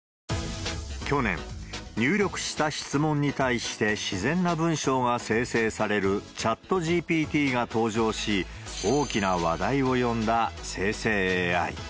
去年、入力した質問に対して自然な文章が生成されるＣｈａｔＧＰＴが登場し、大きな話題を呼んだ生成ＡＩ。